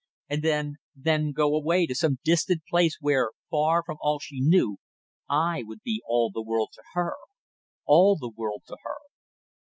And then then go away to some distant place where, far from all she knew, I would be all the world to her! All the world to her!"